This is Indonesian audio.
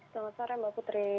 selamat sore mbak putri